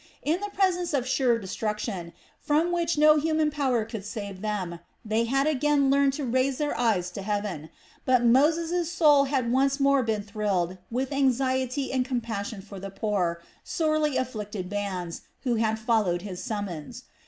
In the presence of sure destruction, from which no human power could save them, they had again learned to raise their eyes to Heaven; but Moses' soul had once more been thrilled with anxiety and compassion for the poor, sorely afflicted bands who had followed his summons.